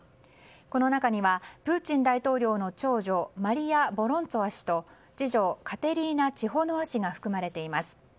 この中にはプーチン大統領の長女マリヤ・ボロンツォワ氏と次女カテリーナ・チホノワ氏が含まれています。